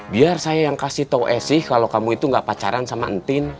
biar saya yang kasih tau esih kalau kamu itu enggak pacaran sama entin